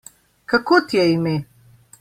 Kako ti je ime?